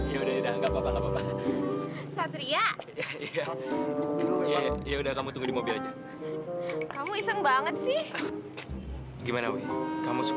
jangan takut ya kalau nanti ada masalah lagi sama bos josh